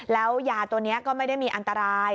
แล้วยาตัวนี้ก็ไม่ได้มีอันตราย